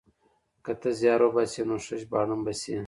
که ته زيار وباسې نو ښه ژباړن به شې.